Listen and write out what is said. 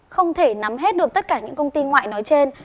không thể nắm hết được tất cả những công ty ngoại nói trên